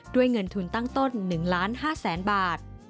ด้วยเงินทุนตั้งต้น๑๕๐๐๐๐บาท